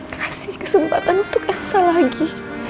kasih kesempatan untuk angsa lagi